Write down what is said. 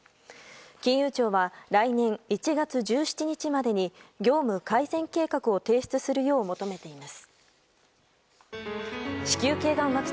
金融庁は来年１月１７日までに業務改善計画を提出するよう求めています。